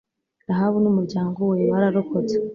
rahabu n umuryango we bararokotse